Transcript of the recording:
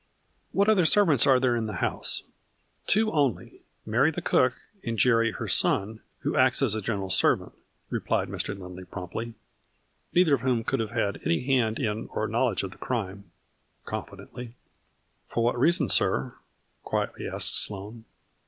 " What other servants are there in the house ?"" Two only, Mary the cook and Jerry her son, who acts as a general servant," replied Mr. Lindley promptly, " neither of whom could have had any hand in or knowledge of the crime," confidently. " For what reason, sir? " quietly asked Sloane.